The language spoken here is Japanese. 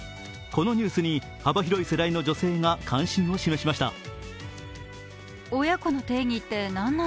このニュースに幅広い世代の女性が関心を示しました。